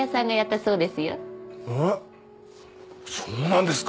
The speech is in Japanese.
そうなんですか！